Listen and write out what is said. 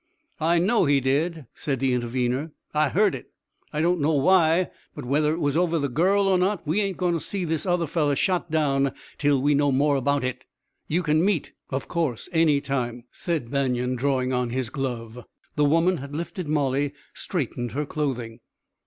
"I know he did," said the intervener. "I heard it. I don't know why. But whether it was over the girl or not, we ain't goin' to see this other feller shot down till we know more about hit. Ye can meet " "Of course, any time." Banion was drawing on his glove. The woman had lifted Molly, straightened her clothing.